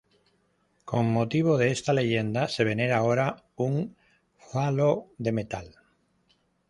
Con motivo de esta leyenda se venera ahora un falo de metal.